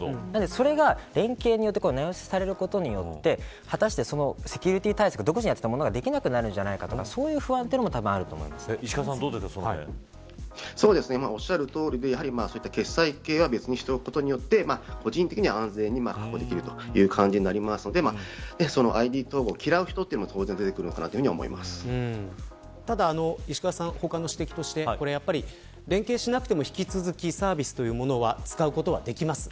それが連携によってアナウンスされることによって果たして、セキュリティ対策を独自にやっていたものができなくなるんじゃないかとか今、おっしゃるとおりでそういった決済系は別にしておくことによって個人的には安全が担保できる感じになるのでＩＤ統合を嫌う人もただ石川さん、他の指摘として連携しなくても引き続き、サービスというものは使うことはできます。